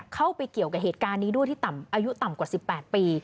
เข้าไปเกี่ยวกับเหตุการณ์นี้ด้วยที่ต่ำอายุต่ำกว่า๑๘ปี